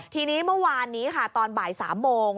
ทีนี้เมื่อวานนี้ค่ะตอนบ่าย๓โมง